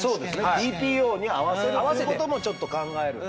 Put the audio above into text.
ＴＰＯに合わせるということもちょっと考えるとか。